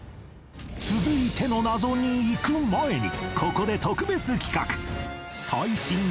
続いての謎にいく前にここで特別企画！